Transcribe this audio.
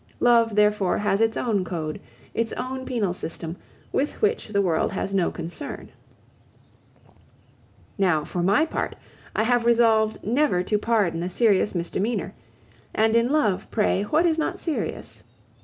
Love, therefore, has its own code, its own penal system, with which the world has no concern. Now, for my part, I have resolved never to pardon a serious misdemeanor, and in love, pray, what is not serious?